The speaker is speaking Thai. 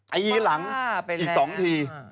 ไอ้หลังอีก๒ที